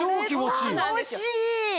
気持ちいい！